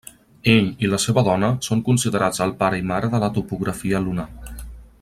Ell i la seva dona són considerats el pare i mare de la topografia lunar.